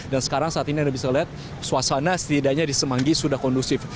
dan sekarang saat ini anda bisa lihat suasana setidaknya di semanggi sudah kondusif